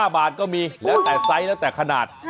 ๕บาทก็มีแล้วแต่ไซส์แล้วแต่ขนาด